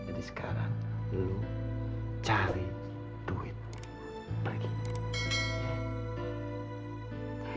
jadi sekarang lu cari duit begini